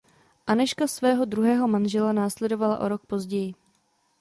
Anežka svého druhého manžela následovala o rok později.